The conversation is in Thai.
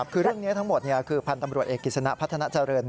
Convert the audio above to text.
คือเรื่องนี้ทั้งหมดคือพันธ์ตำรวจเอกกิจสนะพัฒนาเจริญ